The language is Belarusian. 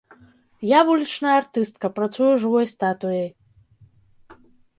Я вулічная артыстка, працую жывой статуяй.